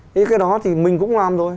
thế cái đó thì mình cũng làm thôi